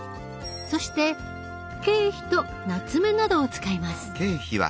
そして桂皮となつめなどを使います。